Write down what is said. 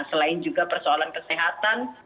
selain juga persoalan kesehatan